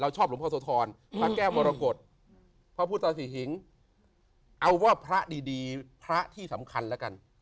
เราชอบหลวงภาคซาวทรพระแก้วมระกฏพระพุทธศิษย์หิ็งเอาว่าพระดีพระที่สำคัญแล้วกัน